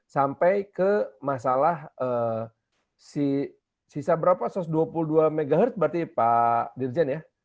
sampai ke masalah sisa berapa satu ratus dua puluh dua mhz berarti pak dirjen ya